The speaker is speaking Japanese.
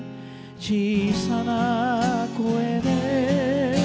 「小さな声で」